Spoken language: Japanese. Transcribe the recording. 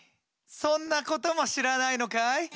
そんなことも知らないのかい？